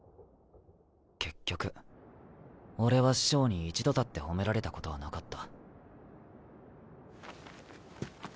結局俺は師匠に一度だって褒められたことはなかった。